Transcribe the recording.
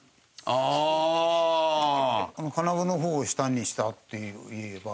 あの金具の方を下にしたって言えば。